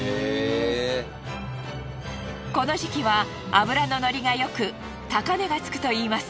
この時期は脂のノリがよく高値がつくといいます。